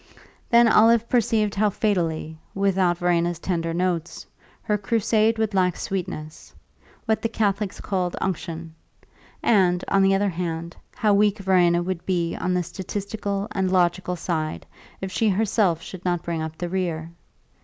Then Olive perceived how fatally, without Verena's tender notes, her crusade would lack sweetness, what the Catholics call unction; and, on the other hand, how weak Verena would be on the statistical and logical side if she herself should not bring up the rear.